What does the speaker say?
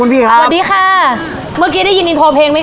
ไปถามร้านนู้นดีกว่า